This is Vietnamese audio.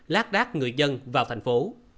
lát đát người dân vào thành phố